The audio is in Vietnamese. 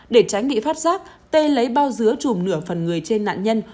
để tránh bị phát giác tê lấy bao dứa chùm nửa phần người trên nạn nhân